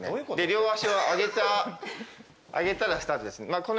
両足を上げたらスタートです。